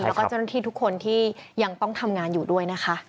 แล้วก็เจ้าหน้าที่ทุกคนที่ยังต้องทำงานอยู่ด้วยนะคะ